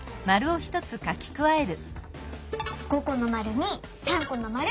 ５このまるに３このまる！